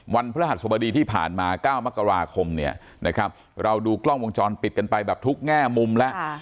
พระหัสสบดีที่ผ่านมา๙มกราคมเนี่ยนะครับเราดูกล้องวงจรปิดกันไปแบบทุกแง่มุมแล้ว